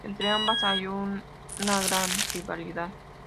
Entre ambas hay una gran rivalidad.